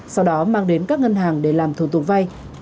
sau đó mang đến các ngân hàng để làm thủ tục vay